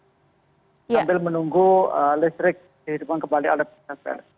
sambil menunggu listrik dihidupkan kembali oleh petugas pln